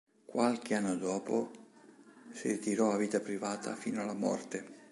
Qualche anno dopo si ritirò a vita privata fino alla morte.